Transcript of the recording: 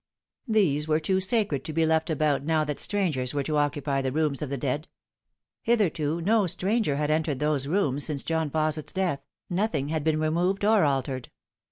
These were too sacred to be left about now that strangers were to occupy the rooms of the dead. Hitherto no stranger had entered those rooms since John Fausset's death, nothing had been removed or altered.